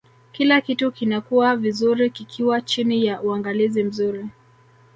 kila kitu kinakuwa vizuri kikiwa chini ya uangalizi mzuri